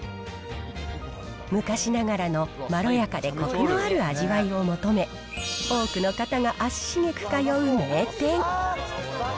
昔ながらのまろやかでコクのある味わいを求め、多くの方が足しげく通う名店。